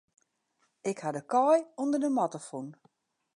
Ik ha de kaai ûnder de matte fûn.